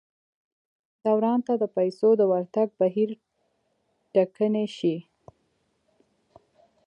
دوران ته د پیسو د ورتګ بهیر ټکنی شي.